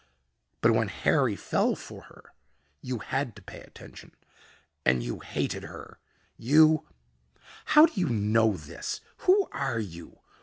But when Harry fell for her, you had to pay attention, and you hated her. You " "How do you know this? Who are you?